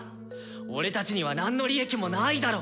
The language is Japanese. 俺たちには何の利益もないだろ。